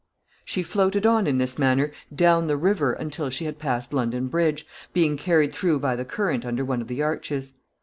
] She floated on in this manner down the river until she had passed London Bridge, being carried through by the current under one of the arches.